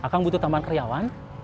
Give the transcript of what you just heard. kang butuh tambahan karyawan